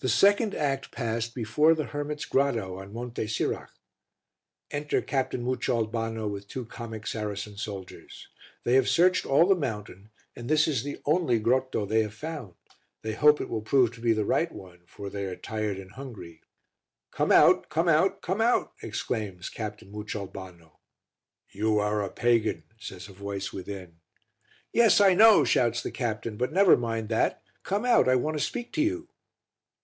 The second act passed before the hermit's grotto on Monte Sirach. Enter Captain Mucioalbano with two comic Saracen soldiers. They have searched all the mountain and this is the only grotto they have found; they hope it will prove to be the right one, for they are tired and hungry. "Come out, come out, come out," exclaims Captain Mucioalbano. "You are a pagan," says a voice within. "Yes, I know," shouts the captain, "but never mind that. Come out, I want to speak to you."